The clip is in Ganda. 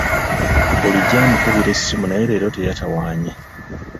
Bulijjo amukubira essimu naye leero teyatawaanye.